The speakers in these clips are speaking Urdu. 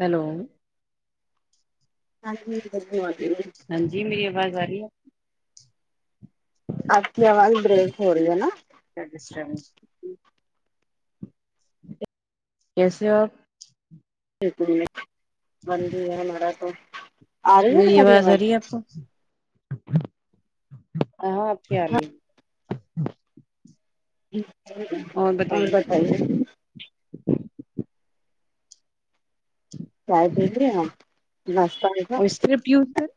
ہیلو ہ دبو آ [unintelligible] ہاں جی میری آواز آ رہی ہے آپ کی آواز بریک ہو رہی ہے نا ڈسٹ نہیں کیسے ہوآپ کڑ بند ہے مارا تو آ رہی ہے تمہاری آواز [unintelligible] اچھا ہاں ابھی آ رہی ہیں اور بتائیے چایے پلی اپنے ناشتہ اور اسکرپٹ یزر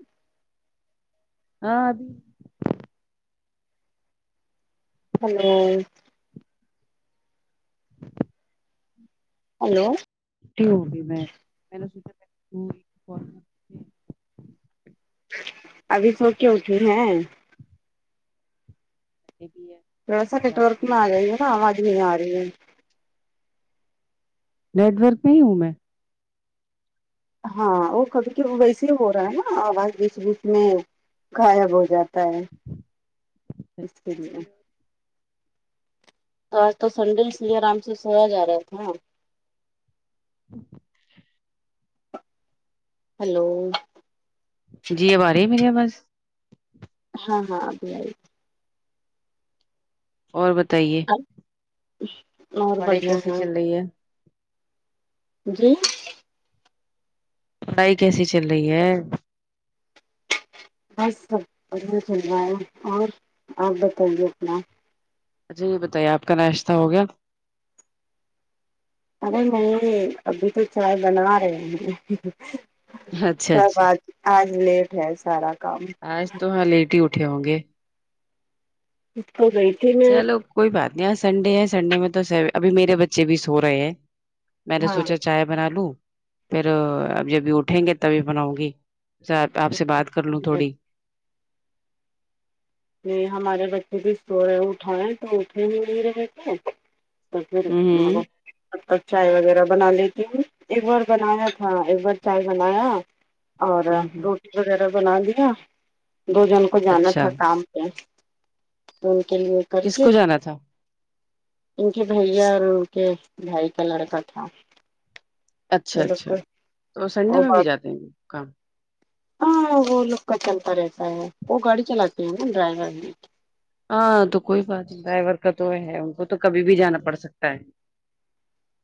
ہاں ابھی ہیلو ہیلو ا ہووں گی میں میں نے سوچا [unintelligible] ابھی سو کے اٹھی ہیں یہ بھی ہے تھوڑا سا کچھ نٹ آپ ورک فری میں ہو ا جائیے گا اواز نہیں ارہی ہے نیٹ ورک پہ ہی ہوں میں ہاں بالکل ویسے ہی ہو رہا ہے نا اواز بیچ میں غائب ہو جاتا ہے اسی لیے تو اج تو سنڈے اس لیے ارام سے سویا جا رہا تھا نا ہیلو جی اب ا رہی ہے میری اواز ہاں ہاں ابھی ائی اور بتائیے اور پڑھائی بڑھیا کیسی ہوں چل رہی ہے جی پڑائی کیسی چل رہی ہے بس سب بڑھیا چلرہا ہے اور اپ بتایے اپنا اچھا یہ بتائیے اپ کا ناشتہ ہو گیا ارے نہیں رہے ابھی تو چائے بنا رہی اچھا ہوں اچھا اج لیٹ ہے سارا کام اج تو ہاں لیٹ ہی اٹھے ہوں گے تو گئی تھی میں چلو کوئی بات نہیں اج سنڈے ہے سنڈے میں تو ابھی میرے بچے بھی سو رہے ہیں میں نے ہاں سوچا چائے بنا لوں پھر اب جب ہی اٹھیں گے تب ہی بناؤں گی [unintelligible] اپ سے بات کر لوں تھوڑی ہمارے بچے بھی سو رہے ہیں اٹھائے تو اٹھے نہیں رہیں کوئی بھی اور پھر ہوں ہوں چائے وغیرہ بنا لیتی ہوں ایک بار بنایا تھا ایک بار چائے بنایا اور ہوں ہوں روٹی وغیرہ بنا لیا دو جن کو جانا اچھا تھا کام تو ان کے لیے کر کس کے کو جانا تھا ان کے بھیا اور ان کے بھائی کا لڑکا تھا اچھا وہ لوگ اچھا کو تو سنڈے اور میں بھی بات جاتے ہیں کام ہاں وہ لوگ کا چلتا رہتا ہے وہ گاڑی چلاتے ہیں نا ڈرائیور بھی ہاں تو کوئی بات نہیں ڈرائیور کا تو ہے ان کو تو کبھی بھی جانا پڑ سکتا ہے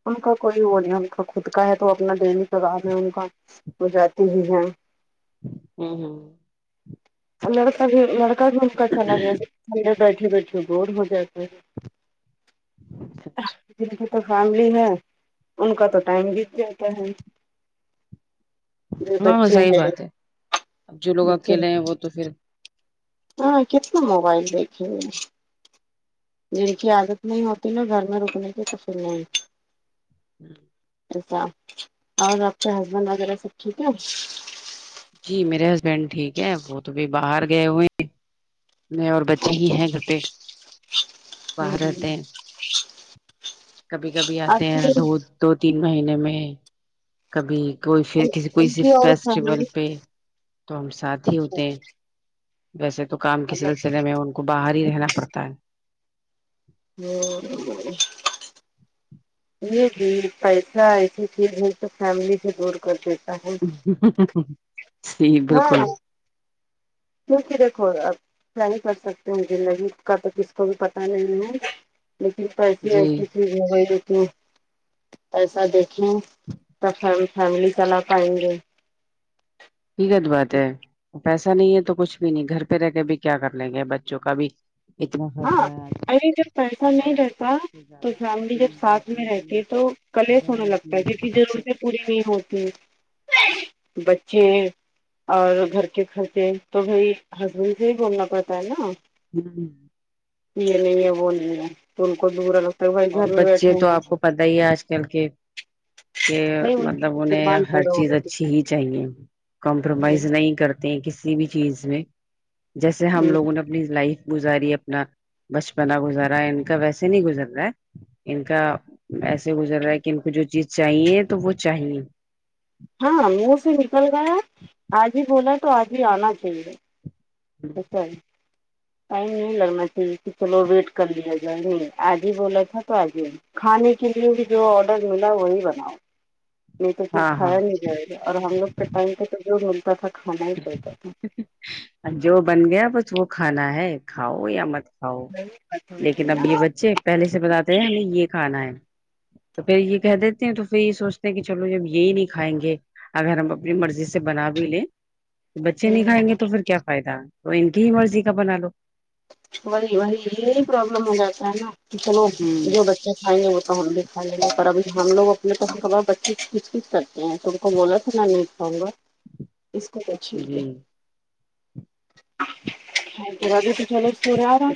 ان کا کوئی وہ نہیں ان کا خود کا ہے تو وہ اپنا ڈیلی کگار ہے ان کا وہ جاتے ہی ہے ہوں ہوں لڑکا بھی لڑکا بھی ان کا چلا گیا گھر میں بیٹھے بیٹھے بور ہو جاتے ہیں جن کی تو فیملی ہے ان کا تو ٹائم بیت جاتا ہے جو بچے ہاںسہی ہیں بات ہے اب جو لوگ بچے اکیلے ہیں وہ تو پھر ہاں کتنا موبائل دیکھے ہوئے جن کی عادت نہیں ہوتی نا گھر میں رکنے کی تو فھر نہیں ہمم ایسا اور اپ کا حسبینڈ وغیرہ سب ٹھیک ہے جی میرے ہسبینڈ ٹھیک ہے وہ تو بھی باہر گئے ہوئے ہے میں اور بچے ہی ہیں گھر پہ باہر رہتے ہیں کبھی کبھی اتے آپ کی ہیں دو دو تین مہینے میں کبھی کوئی شعر کسی کوئی ان کی صفت اور فیسٹیول فیملی پہ تو ہم ساتھ ہی ہوتے مطلب ہیں ویسے تو کام کے سلسلے میں ان کو باہر ہی رہنا پڑتا ہے ہوں یہ چیز پیسہ ایسی چیز ہے تو فیملی سے دور کر دیتی جی ہاں بالکل کیونکہ دیکھو اب کیا ہی کر سکتے ہیں زندگی کا کسی کو بھی پتا نہیں ہے لیکن پیسے جی ایسی چیز ہوگئی ہے کہ پیسہ دیکھیں سب فیملی فیملی چلا پائیں گے ٹھیک ہے بات ہے پیسہ نہیں ہے تو کچھ بھی نہیں گھر پہ رہ کے بھی کیا کر لیں گے بچوں کا بھی اتنا خرچہ ہاں ہے آج کل، ارے جب پیسہ نہیں پڑھائی کا رہتا سب سے تو زیادہ فیملی جب فیس ساتھ جاتی میں ہے اتنی رہتی تو کل یچ ہونے وین لگتا ہے کیونکہ کی ضرورتیں سب پوری نہیں ہوتی سے بچے اور گھر کے خرچے تو بھائی ہسبینڈ سے ہی بولنا پڑتا ہے نا ہوں یہ نہیں ہے وہ نہیں ہے ان کو دور الگ اور بچے تو آپ کو پتا ہی ہے آج کل کہ کہ بھائی ان کی مطلب انھیں ڈیمانڈ ہر پورا چیز ہونا اچھی ہی چاہیے چاہیے۔ کمپرومائز نہیں کرتی ہیں کسی بھی چیز میں جیسے ہم لوگوں نے اپنی لائف گزاری ہے اپنا بچپنا گزارا ہے ان کا ویسے نہیں گزر رہا ہے ان کا ایسے گزر رہا ہے کہ ان کو جو چیز چاہیے تو وہ چاہیے ہاں منہ سے نکل گیا آج ہی بولا تو آج ہی آنا چاہیے اچھا ٹائم نہیں لگنا چاہیے کہ چلو ویٹ کر لیا جائے نہی آج ہی بولا تھا تو آج ہی کھانے کے لیے بھی جو آڈر ملا وہی بناؤ نہیں تو پھر ہاں ہاں کھایا نہیں جائے گا اور ہم لوگ کہ ٹائم تو جو ملتا تھا کھانا ہی پڑتا تھا جو بن گیا بس وہ کھانا ہے کھاؤ یا مت لیکن اب یہ بچے پہلے سے بتاتے تھے ہمیں یہ کھانا ہے تو پھر یہ کہہ دیتے ہیں تو پھر یہ سوچتے ہیں کہ چلو جب یہی نہیں کھائیں گے اگر ہم اپنی مرضی سے بنا بھی لیں تو بچے نہیں کهائیں گے تو پھر کیا فائدہ تو ان کی ہی مرضی کا بنا لو وہی وہی یہی پرابلم ہو جاتا ہے نا چلو ہوں جو بچہ ہے وہ تو ہم بھی کھائی لیں گے پر اب ہم لوگ اپنے توا بچے کھچ کچ کرتے ہیں تو وہ بولا تھا نا لیٹ اؤں گا اسکو تو چھلکے جی ہیت کرادے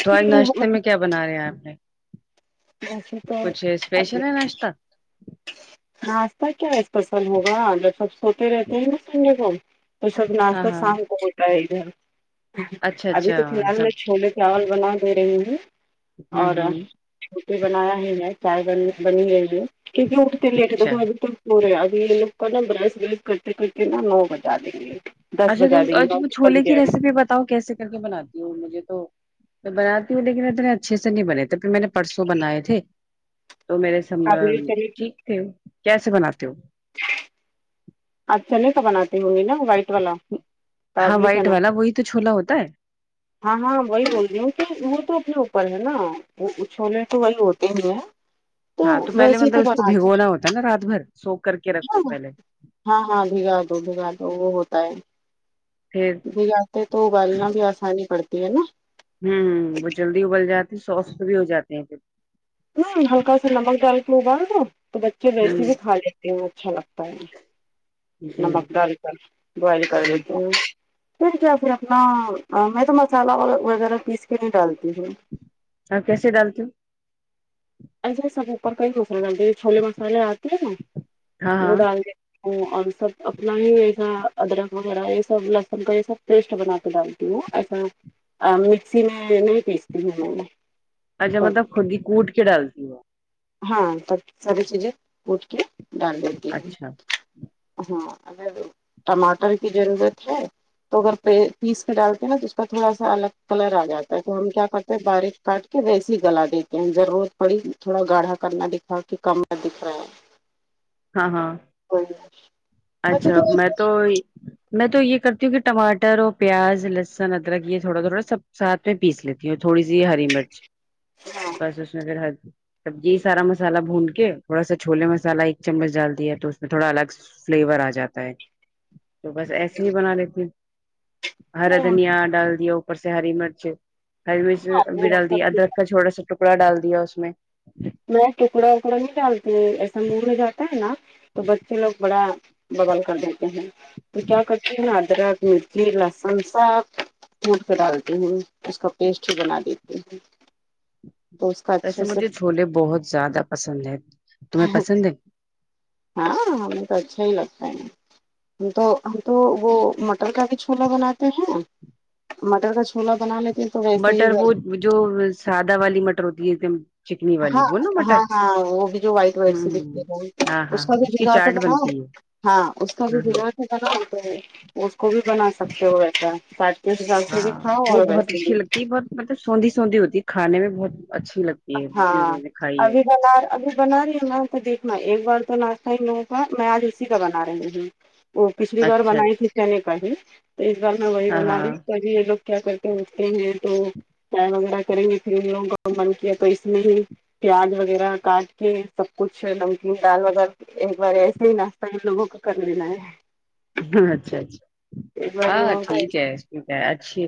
تو آج ناشتے میں کیا بنا رہے ہیں آپ نے ویسے تو کچھ ابھی اسپیشل ہے ناشتہ نا شتہ کیا اسپسل ہوگا جب سب سوتے رہتے ہیں نا ٹھنڈے ٹائم تو سب ہاں ناشہ ہاں شام کو ہوتا ہے ادھر اچھا ابھی تو اچھا فی الحال سب میں چھولے چاول بنا دے رہی ہوں ہوں اور ہوں روٹی بنایا ہی میں چائے بن بنی گئی ہےہوں کیونکہ اٹھتے لیٹ اٹھتے ہیں اچھا تو بالکل پورے اب یہ لوگ کا نا برش برش کرتے کرتے نا نو بجا دینگیے اچھا تو تم آج چھولے کی ریسیپی بتاؤں کیسے کر کے بنا دے مجھے تو میں بناتی ہوں لیکن اتنے اچھے سے نہیں بنے تھے پھر میں نے پرسوں بنائے تھے تو میرے سمم کابلی چنے ٹھیک تھے کیسے بناتے ہو آپ چنے تو بناتے ہونگی نا وائٹ والا ہاں کابلی وائٹ چنا والا وہی تو چھولا ہوتا ہے ہاں ہاں وہی بول رہی ہوں کہ انہوں تو اپنے اوپر ہے نا وہ وه چھولے تو وہی ہوتے ہی ہیں ہاں تو پہلے ویسے ہی مطلب اس کو بناتے بھگونا ہوتا نا رات بھر سو کر کے رکھو پہلے ہاں ہاں بھیگا دو بھیگا دو وہ ہوتا ہے پھر بھگاتے توابلنا بھی آسانی پڑتی ہے نا ہمم وہ جلدی ابل جاتی ہےسوفٹ بھی ہو جاتے ہیں ہوں ہلکا سا نمک ڈال کے ابال دو تو بچے ویسے ہوں ہی کھا لیں پھر وہ اچھا لگتا ہے جی نمک ڈال کر بوہیل کرے ہوں دیتے تو پھر جب بھی اپناہا میں تو مسالہ اور وغیرہ پیس کے نہیں ڈالتی ہوں اچار کیسے ڈالتے ہیں ایسا سب اوپر کا ہی ہو سکتےچھولے مسالے آتے ہیں نا ہاں وہ ہاں ڈال دی ا اور سب اپنا ہی ایسا ادرک وغیرہ یہ سب لہسن کا یہ سب ٹیسٹ بنا کے ڈالتی ہوں ا مکسی میں نہیں پیستی ہو اچھا مطلب خود کی کوٹ کے ڈالتیی ہاں تب ساری چیزیں کوٹ کے ڈال دیتی ہیں اچھا ہاں اگر ٹماٹر کی ضرورت ہے تو اگر پیس کے ڈالتے ہیں نا تو اس کا تھوڑا سا الگ کلر آ جاتا ہے تو ہم کیا کرتے ہیں باریک کاٹ کہ ویسی گلا دیتے ہیں ضرورت پڑی تھوڑا گاڑھا کرنا دکھا کہ کم دکھ رہے ہیں ہاں ہاں اچھا میں تو میں تو یہ کرتی ہوں کہ ٹماٹر اور پیاز لہسن ادرک یہ تھوڑا تھوڑا سب ساتھ اس میں پیس لیتی ہوں تھوڑی سی ہری مرچ بس اس میں پھر سبزی سارا مسالہ بھون کے تھوڑا سا چھولے مسالہ چمچ ڈال دیا تو اس میں تھوڑا الگ فلیور آ جاتا ہے تو بس ایسے ہی بنا لیتی ہو ہرا دھنیا ڈال دیا اور سے ہری مرچ ہری مرچ بھی وہ ڈال دیا سب ادرک کا چھوڑا سا ٹکڑا ڈال دیا اس میں میں ٹکڑا وکڑا نہیں ڈالتے ہیں ایسا مور ہو جاتا ہے نا تو بچے لوگ بڑا ببول کر دیتے ہیں می کیا کرتی ہو میں ادرک مرچ لسن ساخ کوٹ کے ڈالتی ہوں اس کا پیسٹ ہی بنا دیتی ہوں تو اس کا ویسے اچھے سے مجھے چھولے بہت زیادہ پسند ہے تمہیں پسند ہے ہاں ہمیں تو اچھا ہی لگتا ہے ہم تو ہم تو وہ مٹر کا بھی چھولا بناتے ہیں مٹر کا چھولا بنا لیتے تو ویسے مٹر ہی وہ گھر جو سادہ والی مٹر ہوتی ہے ایک دم چکنی والی ہاں وہ نا مٹر ہاں ہاں وہ بھی جو وائٹ وائٹ سی دکھتی ہوں ہے ہ وہی ہاں ہاں اس ہاں کوبھی کی بھیگا کر چاٹ بناؤ بنتی ہے ہاں اس کا ہ بھیگا کے بناؤ اس کو بھی بنا سکتے ہو ویسا جس سے بھی کھاؤں اور ویسے بھی یہ بہت مطلب سوندی سوندی ہوتی کھانے میں بہت اچھی لگتی ہے ہاں میں نے کھائی ہے ابھی بنا ابھی بنا رہی ہوں میں تو دیکھنا ایک بار تو ناشتہ ہی ان لوگ کا میں آج اسی کا بنا رہی ہوں وہ پچھلی بار اچھا بنائی تھی اچھا چنے کا ہی تو اس بار میں وہی ہاں بنا رہی ہاں ہو تبھی یہ لوگ کیا کرتے اٹھتے ہیں تو چائے وغیرہ کریں گے پھر ان لوگوں کا من کیا تو اس میں ہی پیاز وغیرہ کاٹ کے سب کچھ نمکین دال وغیرہ ایک بار ایسے ہی ناشتہ ان لوگوں کو کر لینا ہے ہاں اچھا اچھا ایک بار ان ہاں لوگوں ٹھیک کا ہے ٹھیک ہے اچھی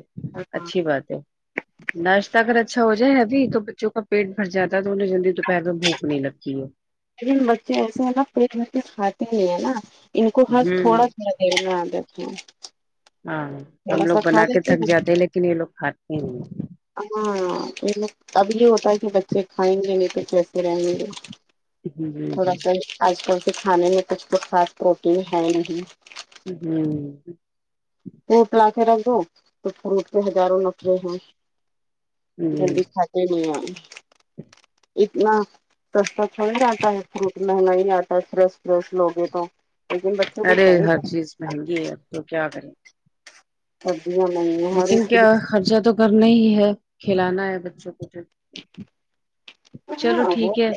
ہاں اچھی بات ہے ناشتہ اگر اچھا ہو جائے ابھی تو بچوں کا پیٹ بھر جاتا تو انہیں جلدی دوپہر میں بھوک نہیں لگتی ہے لیکن بچے ایسے ہیں نا پٹھ بھر کے کھاتے ہی ہیں نا ان کو ہر تھوڑا ہوں تھوڑا دیر میں آجاتی ہے بھوک ہاں ہم لوگ بنا کے تھک لیتے جاتے لیکن یہ لوگ کھاتے ہی نہیں ہے ہاں یہ ابھی یہ ہوتا ہے کہ بچے کھائیں گے نہیں پھر کیسے بھوکے رہے جی گےتھوڑا جی سا اج کل کے کھانے میں کچھ تو خاص پروٹین ہے نہیں ھمم فوٹ لا کے رکھ دو تو فروٹ پے ہزاروں نقرے ہیں جی جلدی کھاتے نہیں ہے اتنا سستا تھوڑی آتا ہے فروٹ مہنگا ہی آتا ہے فریش فریش لوگے تو لیکن بچوں کو ارے صحیح ہر چیز مہنگی ہے اب تو کیا کریں سستی ہو مہنگی لیکن کیا خرچہ تو کرنا ہی ہے کھلانا ہے بچوں کو جو چلو ہاں ٹھیک وہ ہے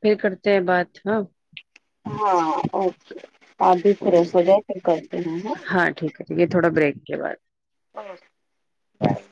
پھر کرتے ہیں بات ہاں ہاں اوکے آپ بھی فرش ہوجاؤ پھر کرتے ہے ہاں اوکے ٹھیک ہے تھوڑا بریک کے بعد ہاں بائے